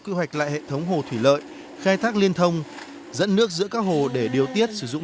kế hoạch lại hệ thống hồ thủy lợi khai thác liên thông dẫn nước giữa các hồ để điều tiết sử dụng